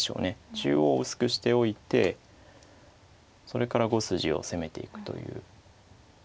中央を薄くしておいてそれから５筋を攻めていくという。